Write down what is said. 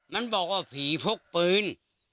มันบอกว่าผีพกปืน